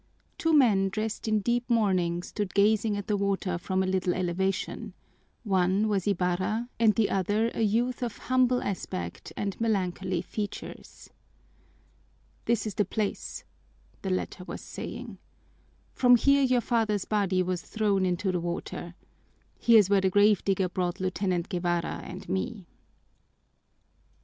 Two men dressed in deep mourning stood gazing at the water from a little elevation: one was Ibarra and the other a youth of humble aspect and melancholy features. "This is the place," the latter was saying. "From here your father's body was thrown into the water. Here's where the grave digger brought Lieutenant Guevara and me."